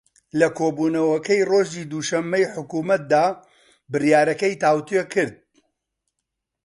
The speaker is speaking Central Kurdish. لە کۆبوونەوەکەی ڕۆژی دووشەممەی حکوومەتدا بڕیارەکەی تاووتوێ کرد